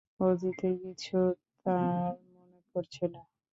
অতীতের কিছুই তার মনে পড়ছে না।